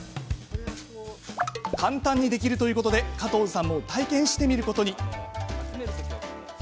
簡単にできるということで加藤さんも体験してみることに。